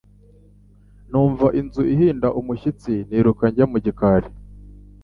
Numva inzu ihinda umushyitsi, niruka njya mu gikari.